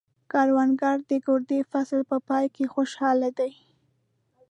کروندګر د ګرده فصل په پای کې خوشحال دی